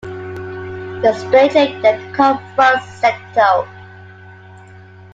The Stranger then confronts Sekto.